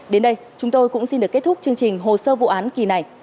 đến đây chúng tôi cũng xin được kết thúc chương trình hồ sơ vụ án kỳ này